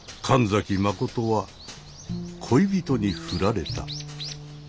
神崎真は恋人に振られた。